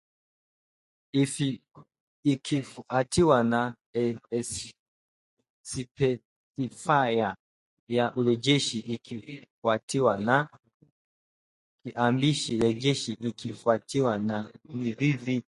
ikifuatiwa na spesifaya ya urejeshi ikifuatiwa na kiambishi rejeshi ikifuatiwa na mzizi